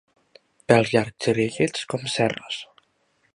Pèls llargs rígids com cerres.